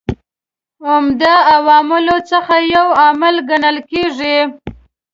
عمده عواملو څخه یو عامل کڼل کیږي.